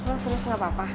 lo terus gak apa apa